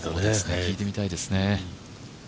聞いてみたいですね。